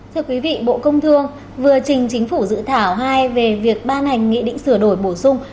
thưa quý vị bộ công thương vừa trình chính phủ dự thảo hai về việc ban hành nghị định sửa đổi bổ sung